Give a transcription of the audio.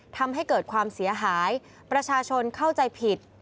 ทำให้เกิดความเสียหายประชาชนเข้าใจผิด